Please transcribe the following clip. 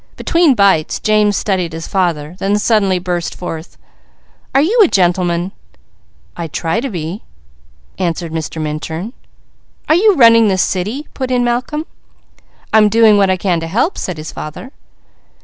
Between bites James studied his father, then suddenly burst forth: "Are you a gentleman?" "I try to be," answered Mr. Minturn. "Are you running this city?" put in Malcolm. "I am doing what I can to help," said his father.